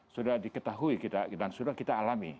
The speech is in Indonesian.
sudah diketahui dan sudah kita alami